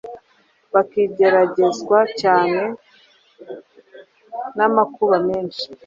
Bakigeragezwa cyane n’amakuba menshi,